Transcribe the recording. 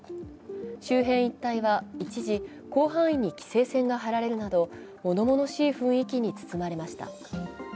周辺一帯は一時、広範囲に規制線が張られるなど、物々しい雰囲気に包まれました。